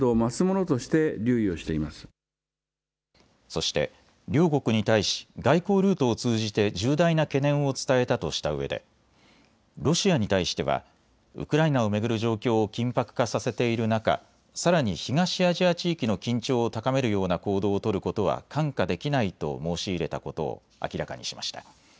そして両国に対し外交ルートを通じて重大な懸念を伝えたとしたうえでロシアに対してはウクライナを巡る状況を緊迫化させている中、さらに東アジア地域の緊張を高めるような行動を取ることは看過できないと申し入れたことを明らかにしました。